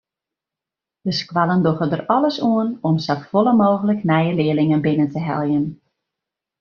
De skoallen dogge der alles oan om safolle mooglik nije learlingen binnen te heljen.